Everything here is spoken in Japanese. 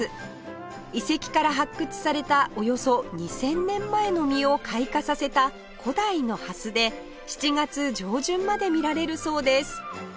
遺跡から発掘されたおよそ２０００年前の実を開花させた古代のハスで７月上旬まで見られるそうです